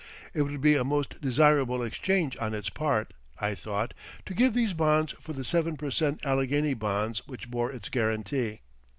It would be a most desirable exchange on its part, I thought, to give these bonds for the seven per cent Allegheny bonds which bore its guarantee.